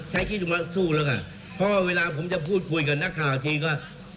ใช้คิดดูว่าสู้แล้วค่ะเพราะเวลาผมจะพูดคุยกับนักข่าวทีก็